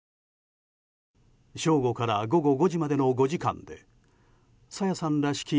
正午から午後５時までの５時間で朝芽さんらしき